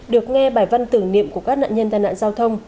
được nghe bài văn tưởng niệm của các nạn nhân tai nạn giao thông